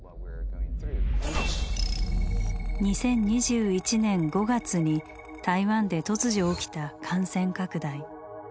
理解して２０２１年５月に台湾で突如起きた感染拡大。